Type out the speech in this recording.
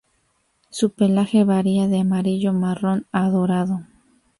Su pelaje varía de amarillo marrón a dorado.